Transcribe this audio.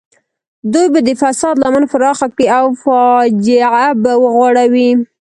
دوی به د فساد لمن پراخه کړي او فاجعه به وغوړوي.